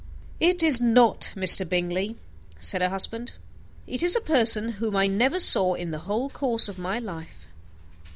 "It is not Mr. Bingley," said her husband; "it is a person whom I never saw in the whole course of my life."